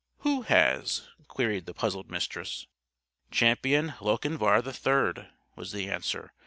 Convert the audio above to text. "Who has?" queried the puzzled Mistress. "Champion Lochinvar III," was the answer.